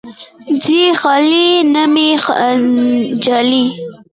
ځي خلې نه مې جلۍ